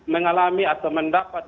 mengalami atau mendapat